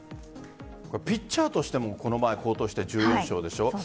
ピッチャーとしてもこの前、好投して準優勝でしょう。